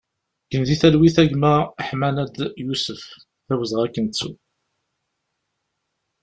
Gen di talwit a gma Ḥamenad Yusef, d awezɣi ad k-nettu!